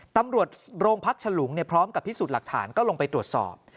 ตำรวจโรงพักฉลุงพร้อมกับพิสูจน์หลักฐานก็ลงไปตรวจสอบ